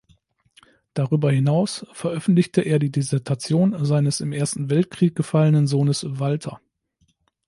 Darüber hinaus veröffentlichte er die Dissertation seines im Ersten Weltkrieg gefallenen Sohnes Walter.